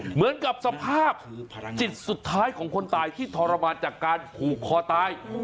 เหมือนกับสภาพจิตสุดท้ายของคนตายที่ทรมานจากการผูกคอตาย